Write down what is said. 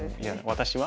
私は？